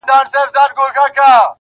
خو زما هيلې له ما نه مرورې,